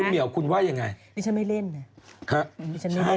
เนี่ยพี่หนุ่มบอกว่า